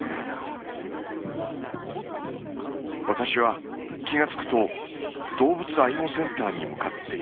私は気が付くと動物愛護センターに向かっていました。